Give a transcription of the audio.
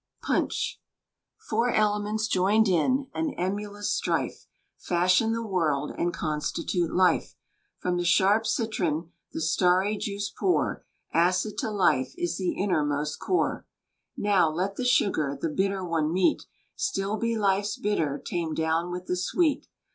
PUNCH. Four elements, joined in An emulous strife, Fashion the world, and Constitute life. From the sharp citron The starry juice pour; Acid to life is The innermost core. Now, let the sugar The bitter one meet; Still be life's bitter Tamed down with the sweet!